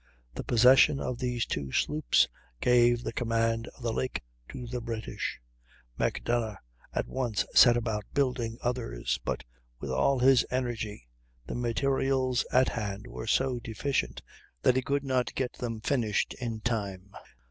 The possession of these two sloops gave the command of the lake to the British. Macdonough at once set about building others, but with all his energy the materials at hand were so deficient that he could not get them finished in time.